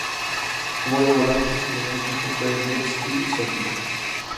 Jugó de volante y su primer equipo fue Levski Sofia.